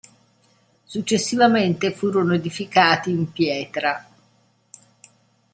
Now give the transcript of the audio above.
Successivamente furono edificati in pietra.